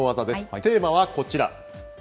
テーマはこちら。